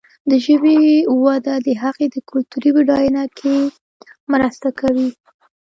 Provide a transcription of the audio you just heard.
د ژبې وده د هغې د کلتوري بډاینه کې مرسته کوي.